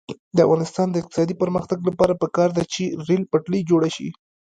د افغانستان د اقتصادي پرمختګ لپاره پکار ده چې ریل پټلۍ جوړه شي.